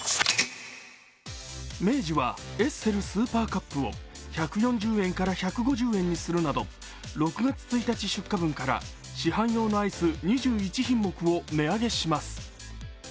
明治はエッセルスーパーカップを１４０円から１５０円にするなど６月１日出荷分から市販用のアイス２１品目を値上げします。